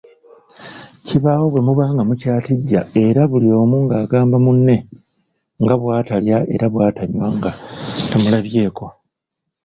Kibaawo bwe muba nga mukyatijja era buli omu ng'agamba munne nga bwatalya era bw'atanywa nga tamulabyeko